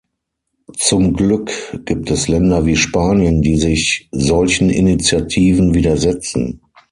Zum Glück gibt es Länder wie Spanien, die sich solchen Initiativen widersetzen.